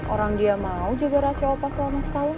orang dia mau jaga rasio opa selama setahun